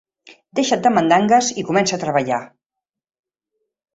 Deixa't de mandangues i comença a treballar.